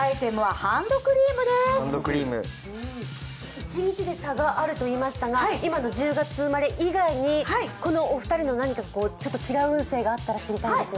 一日で差があるということでしたが今の１０月生まれ以外にこのお二人の何か違う運勢があったら知りたいんですが。